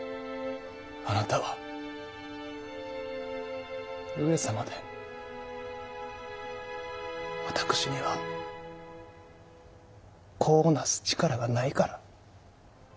あなたは上様で私には子をなす力がないから。